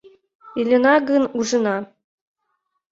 — Илена гын, ужына.